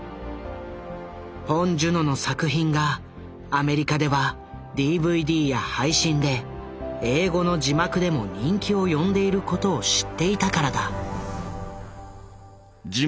ポン・ジュノの作品がアメリカではＤＶＤや配信で英語の字幕でも人気を呼んでいることを知っていたからだ。